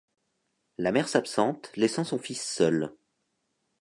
La mère s'absente, laissant son fils seul.